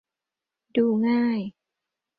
ดูง่าย